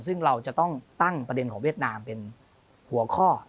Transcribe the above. ซึ่งเราจะต้องตั้งประเด็นของเวียดนามเป็นหัวข้อ